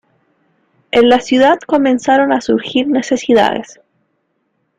En la ciudad comenzaron a surgir necesidades.